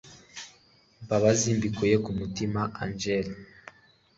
imbabazi mbikuye ku mutima angel